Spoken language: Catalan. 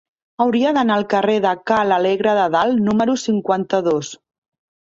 Hauria d'anar al carrer de Ca l'Alegre de Dalt número cinquanta-dos.